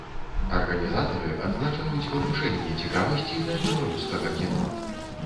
Арганізатары адзначаюць падвышэнне цікавасці да беларускага кіно.